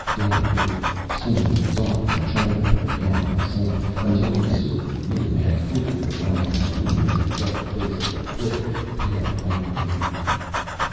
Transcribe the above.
Dan waited, swinging his arms and tramping up and down on the sand, until the silvery moon had cleared the horizon and illuminated the rugged face of the cliff with pale white radiance.